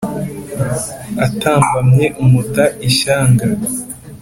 atambamye umuta ishyanga